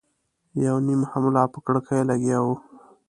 یو نيم هم لا په کړکيو لګیا و.